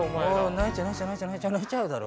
泣いちゃうだろ。